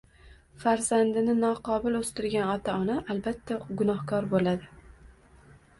Farzandini noqobil o‘stirgan ota-ona albatta gunohkor bo‘ladi